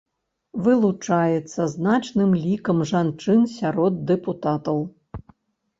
Вылучаецца значным лікам жанчын сярод дэпутатаў.